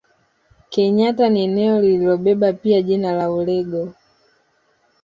Kenyatta ni eneo lililobeba pia jina la Olwego